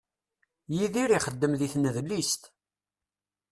Yidir ixeddem di tnedlist.